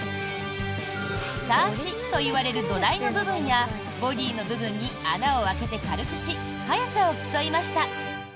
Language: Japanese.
シャーシといわれる土台の部分やボディーの部分に穴を開けて軽くし速さを競いました。